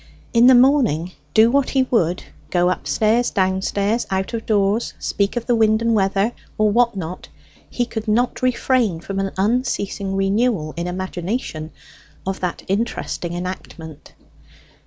In the morning, do what he would go upstairs, downstairs, out of doors, speak of the wind and weather, or what not he could not refrain from an unceasing renewal, in imagination, of that interesting enactment.